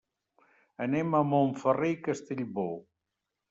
Anem a Montferrer i Castellbò.